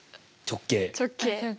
直径。